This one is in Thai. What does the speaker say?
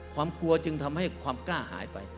ความกลัวจึงทำให้ความกล้าหายไป